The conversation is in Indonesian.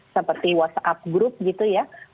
seperti whatsapp group gitu ya